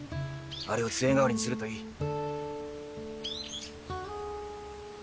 あれをつえ代わりにするといい。